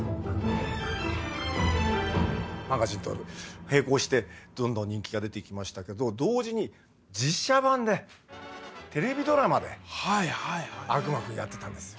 マガジンと並行してどんどん人気が出てきましたけど同時に実写版でテレビドラマで「悪魔くん」やってたんです。